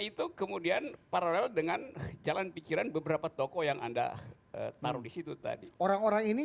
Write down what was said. itu kemudian paralel dengan jalan pikiran beberapa toko yang anda taruh di situ tadi orang orang ini